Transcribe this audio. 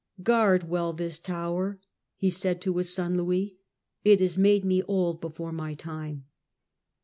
" Guard well this tower," he said to his son Louis, '* it has made me old before my time."